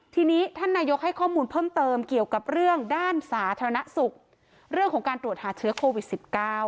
ทีนี้ท่านนายกให้ข้อมูลเพิ่มเติมเกี่ยวกับเรื่องด้านสาธารณสุขเรื่องของการตรวจหาเชื้อโควิด๑๙